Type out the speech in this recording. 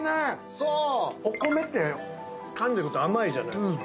そうお米って噛んでくと甘いじゃないですか